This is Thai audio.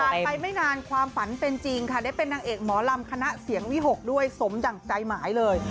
ไปไม่นานความฝันเป็นจริงค่ะได้เป็นนางเอกหมอลำคณะเสียงวิหกด้วยสมดั่งใจหมายเลย